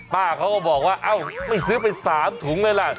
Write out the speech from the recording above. ป้าเขาก็บอกว่าเอ้าไม่ซื้อไป๓ถุงเลยล่ะ